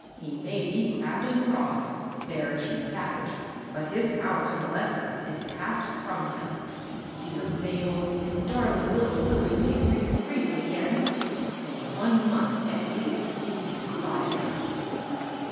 He may be crabbed and cross, s THE BAG MERCHANTS. 347 bearish and savage; but his power to molest us is passed from him. Dear Mabel and darling little Lilly may breathe freely again ;— for one months at least, we can defy him."